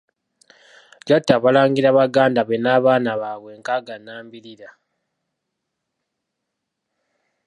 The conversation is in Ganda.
Yatta abalangira baganda be n'abaana baabwe nkaaga nnambirira.